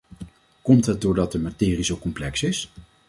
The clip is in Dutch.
Komt het doordat de materie zo complex is?